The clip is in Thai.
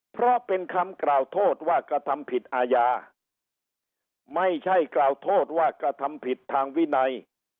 เพราะเป็นคำกล่าวโทษว่ากระทำผิดอาญาไม่ใช่กล่าวโทษว่ากระทำผิดทางวินัย